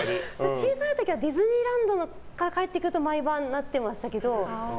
小さい時はディズニーランドから帰ってくると毎晩なってましたけど。